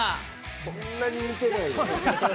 そんなに似てないのよね。